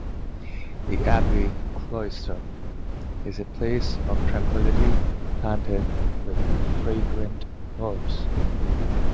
The abbey cloister is a place of tranquillity, planted with fragrant herbs.